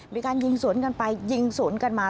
มีการยิงสวนกันไปยิงสวนกันมา